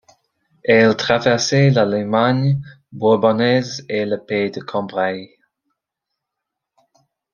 Elle traversait la Limagne bourbonnaise et le pays des Combrailles.